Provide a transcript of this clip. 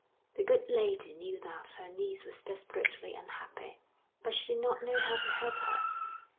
The good lady knew that her niece was desperately unhappy, but she did not know how to help her.